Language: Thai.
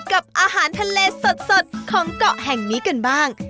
กับอาหารทะเลสดของเกาะแห่งนี้กันบ้าง